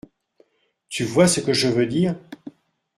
Tu vois ce que je veux dire ?